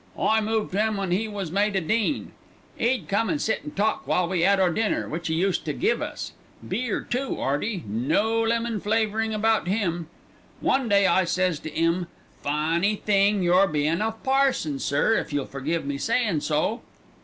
I moved 'im when 'e was made a dean. 'E'd come an' sit an' talk while we 'ad our dinner, which 'e used to give us. Beer too, 'Earty. No lemon flavourin' about 'im. "One day I sez to 'im, 'Funny thing you bein' a parson, sir, if you'll forgive me sayin' so.'